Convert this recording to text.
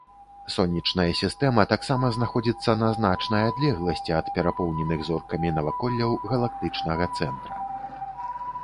Сонечная сістэма таксама знаходзіцца на значнай адлегласці ад перапоўненых зоркамі наваколляў галактычнага цэнтра.